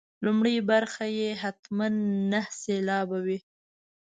لومړۍ برخه یې حتما نهه سېلابه وي.